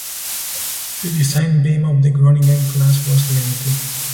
The designed beam of the Groningen class was limited.